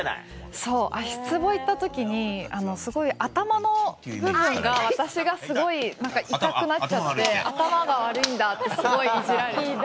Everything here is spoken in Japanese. そう足ツボ行った時に頭の部分が私がすごい痛くなっちゃって頭が悪いんだってすごいいじられて。